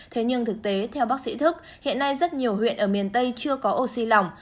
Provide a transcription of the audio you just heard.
thế nhưng thực tế theo bác sĩ thức hiện nay rất nhiều huyện ở miền tây chưa có oxy lỏng